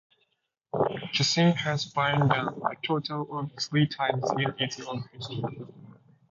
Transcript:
Cushing has burned down a total of three times in its long history.